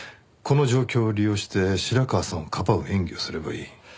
この状況を利用して白川さんをかばう演技をすればいい。